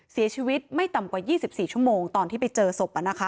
เสียชีวิตไม่ต่ำกว่า๒๔ชั่วโมงตอนที่ไปเจอศพ